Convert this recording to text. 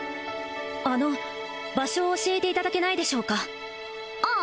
あの場所を教えていただけないでしょうかああ